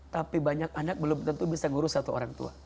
tapi banyak anak belum tentu bisa ngurus satu orang tua